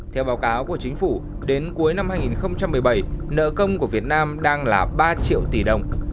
theo báo cáo của chính phủ đến cuối năm hai nghìn một mươi bảy nợ công của việt nam đang là ba triệu tỷ đồng